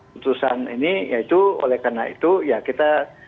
ketujuan ini ya itu oleh karena itu ya kita